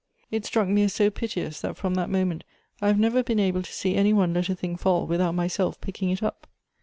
It struck mo as so piteous ; that from that moment I have never been able to sec any one let a thing fall without myself pick ing it up.